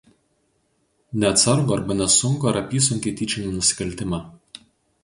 neatsargų arba nesunkų ar apysunkį tyčinį nusikaltimą